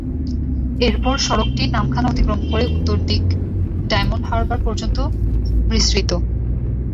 এর পর সড়কটি নামখানা অতিক্রম করে উত্তর দিক ডায়মন্ড হারবার পর্যন্ত বিস্তৃত।